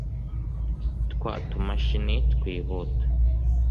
twa tumashini twihuta